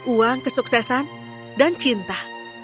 uang kesuksesan dan cinta